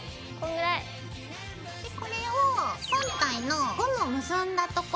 これを本体のゴムを結んだ所。